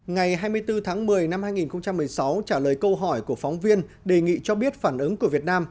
ngày hai mươi bốn tháng một mươi năm hai nghìn một mươi sáu trả lời câu hỏi của phóng viên đề nghị cho biết phản ứng của việt nam